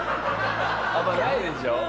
あんまないでしょ？